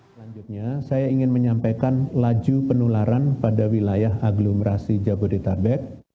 selanjutnya saya ingin menyampaikan laju penularan pada wilayah aglomerasi jabodetabek